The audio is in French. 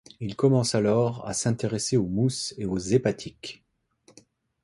Il commence alors à s’intéresser aux mousses et aux hépatiques.